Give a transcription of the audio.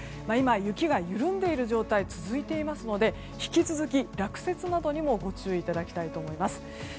今、雪が緩んでいる状態が続いていますので引き続き、落雪などにもご注意いただきたいと思います。